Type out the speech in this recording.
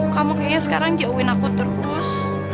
kamu kayaknya sekarang jauhin aku terus